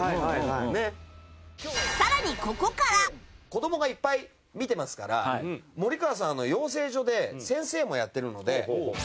子供がいっぱい見てますから森川さん養成所で先生もやってるので。